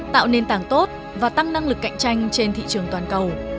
tạo nền tảng tốt và tăng năng lực cạnh tranh trên thị trường toàn cầu